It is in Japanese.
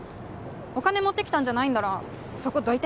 お金持ってきたんじゃないんならそこどいて。